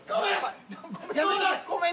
ごめん。